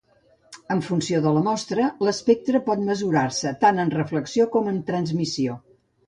En funció de la mostra, l'espectre por mesurar-se tant en reflexió com en transmissió.